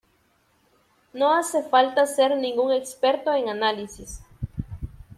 No hace falta ser ningún experto en análisis.